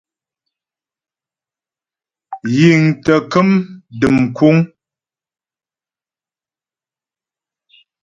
Yǐŋ tə kəm dəm kúŋ.